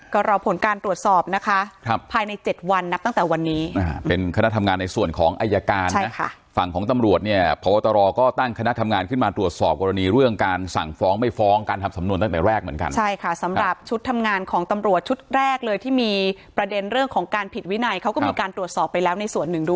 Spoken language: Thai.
ก็รอผลการตรวจสอบนะคะครับภายในเจ็ดวันนับตั้งแต่วันนี้เป็นคณะทำงานในส่วนของอายการฝั่งของตำรวจเนี่ยพบตรก็ตั้งคณะทำงานขึ้นมาตรวจสอบกรณีเรื่องการสั่งฟ้องไม่ฟ้องการทำสำนวนตั้งแต่แรกเหมือนกันใช่ค่ะสำหรับชุดทำงานของตำรวจชุดแรกเลยที่มีประเด็นเรื่องของการผิดวินัยเขาก็มีการตรวจสอบไปแล้วในส่วนหนึ่งด้วย